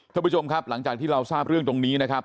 ท่านผู้ชมครับหลังจากที่เราทราบเรื่องตรงนี้นะครับ